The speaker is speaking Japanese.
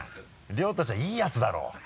亮太ちゃんいいやつだろ。